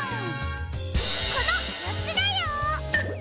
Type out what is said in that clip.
このよっつだよ！